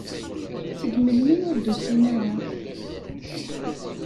Seg melmi ur d-usin ara?